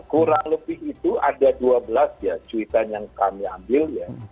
kurang lebih itu ada dua belas ya cuitan yang kami ambil ya